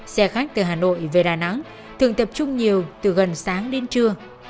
xe khách từ hà nội về đà nẵng thường tập trung nhiều từ gần sáng đến trưa